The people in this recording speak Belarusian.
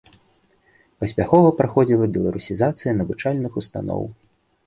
Паспяхова праходзіла беларусізацыя навучальных устаноў.